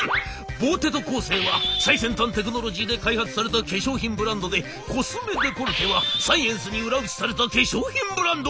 ボーテ・ド・コーセーは最先端テクノロジーで開発された化粧品ブランドでコスメデコルテはサイエンスに裏打ちされた化粧品ブランド。